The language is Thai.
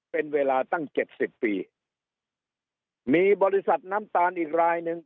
เป็นเวลาตั้งเจ็ดสิบปีมีบริษัทน้ำตาลอีกรายหนึ่ง